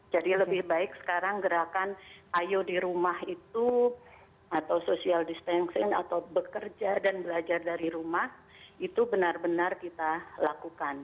jadi lebih baik sekarang gerakan ayo di rumah itu atau social distancing atau bekerja dan belajar dari rumah itu benar benar kita lakukan